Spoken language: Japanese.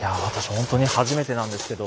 ほんとに初めてなんですけど。